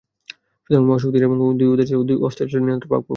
সুতরাং মহাশক্তিশালী এবং দুই উদয়াচল ও দুই অস্তাচলের নিয়ন্তা পাক পবিত্র।